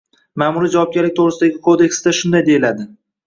Ma’muriy javobgarlik to‘g‘risidagi kodeksida shunday deyiladi: